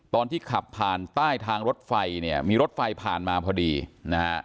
ตอนที่ขับผ่านใต้ทางรถไฟเนี่ยมีรถไฟผ่านมาพอดีนะฮะ